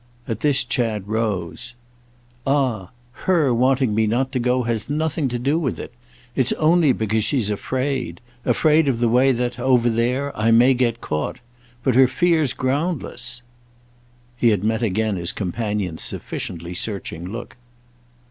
At this Chad rose. "Ah her wanting me not to go has nothing to do with it! It's only because she's afraid—afraid of the way that, over there, I may get caught. But her fear's groundless." He had met again his companion's sufficiently searching look.